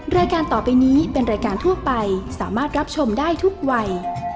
รายการต่อไปนี้เป็นรายการทั่วไปสามารถรับชมได้ทุกวัย